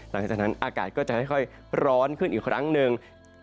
หลังจากนั้นอากาศก็จะค่อยร้อนขึ้นอีกครั้งหนึ่ง